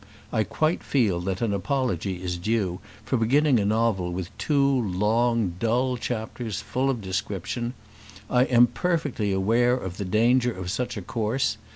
I quite feel that an apology is due for beginning a novel with two long dull chapters full of description. I am perfectly aware of the danger of such a course.